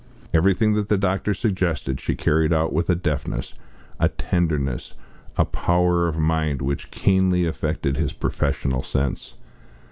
Everything that the doctor suggested she carried out with a deftness, a tenderness, a power of mind, which keenly affected his professional sense.